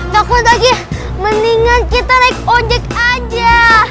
takut aja mendingan kita naik ojek aja